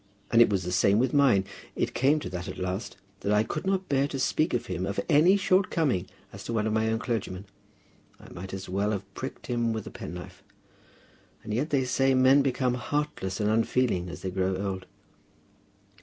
And it was the same with mine. It came to that at last, that I could not bear to speak to him of any shortcoming as to one of his own clergymen. I might as well have pricked him with a penknife. And yet they say men become heartless and unfeeling as they grow old!"